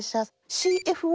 ＣＦＯ？